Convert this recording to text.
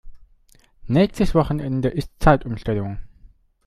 Nächstes Wochenende ist Zeitumstellung.